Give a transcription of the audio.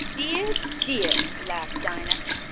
"Dear! dear!" laughed Dinah.